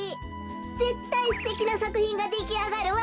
ぜったいすてきなさくひんができあがるわべ。